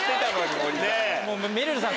めるるさん